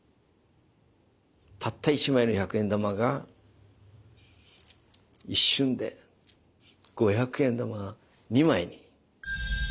たった一枚の１００円玉が一瞬で５００円玉２枚に。